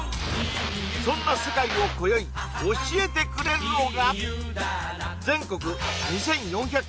そんな世界を今宵教えてくれるのが！？